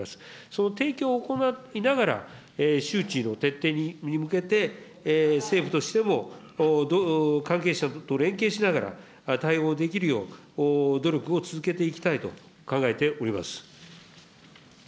その提供を行いながら、周知の徹底に向けて、政府としても関係者と連携しながら対応できるよう、努力を続けていきたいと考えております。